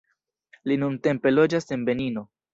Li nuntempe loĝas en Benino.